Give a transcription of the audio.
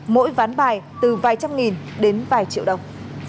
mỗi ván bài từ vài trăm nghìn đến vài triệu đồng